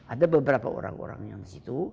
ada beberapa orang orang yang di situ